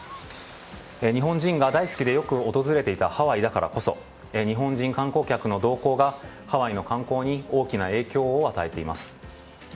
日本人が大好きでよく訪れていたハワイだからこそ日本人観光客の動向がハワイの観光に大きな影響を与えています。